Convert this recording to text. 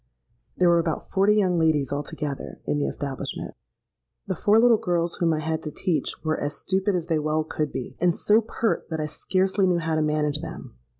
There were about forty young ladies altogether in the establishment. "The four little girls whom I had to teach, were as stupid as they well could be, and so pert that I scarcely knew how to manage them.